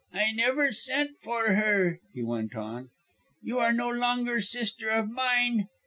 "I never sent for her," he went on. "You are no longer sister of mine.